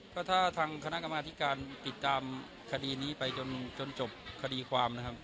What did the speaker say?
ก็ถ้าทางคณะกรรมธิการติดตามคดีนี้ไปจนจบคดีความนะครับ